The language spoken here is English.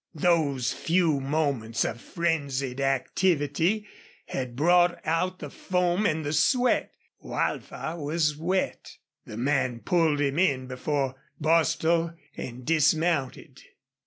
Those few moments of frenzied activity had brought out the foam and the sweat Wildfire was wet. The man pulled him in before Bostil and dismounted.